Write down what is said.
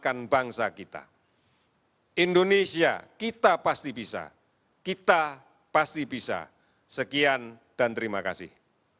karena kita mengaktifkan semangat di pondokmarkt